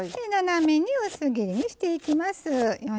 斜めに薄切りにしていきます。